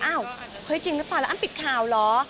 เฮ้ยจริงหรือเปล่าแล้วอ้ำปิดข่าวเหรอ